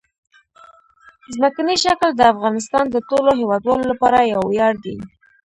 ځمکنی شکل د افغانستان د ټولو هیوادوالو لپاره یو ویاړ دی.